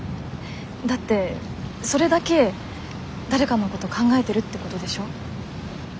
だってそれだけ誰かのことを考えてるってことでしょ？